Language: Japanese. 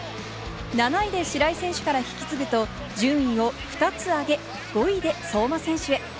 ７位で白井選手から引き継ぐと、順位を２つ上げ、５位で相馬選手へ。